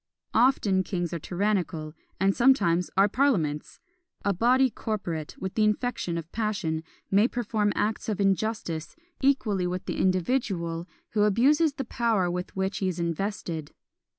Often kings are tyrannical, and sometimes are parliaments! A body corporate, with the infection of passion, may perform acts of injustice equally with the individual who abuses the power with which he is invested.